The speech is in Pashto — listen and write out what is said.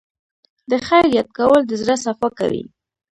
د خیر یاد کول د زړه صفا کوي.